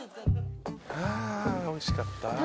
ハァおいしかった。